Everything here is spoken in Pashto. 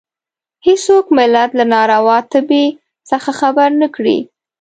هېڅوک ملت له ناروا تبې څخه خبر نه کړي.